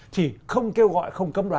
thì không kêu gọi không cấm đoán